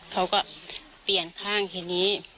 เขาก็เปลี่ยนข้างทีนี้